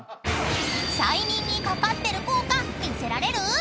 ［催眠にかかってる効果見せられる？］